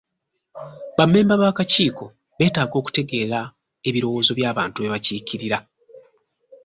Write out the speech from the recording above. Bammemba b'akakiiko beetaaga okutegeera ebirowoozo by'abantu be bakiikirira